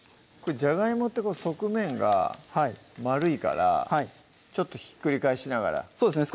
じゃがいもって側面が丸いからちょっとひっくり返しながらそうですね